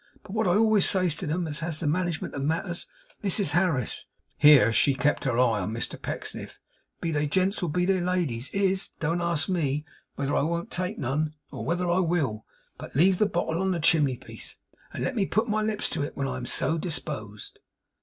But what I always says to them as has the management of matters, Mrs Harris"' here she kept her eye on Mr Pecksniff '"be they gents or be they ladies, is, don't ask me whether I won't take none, or whether I will, but leave the bottle on the chimley piece, and let me put my lips to it when I am so dispoged."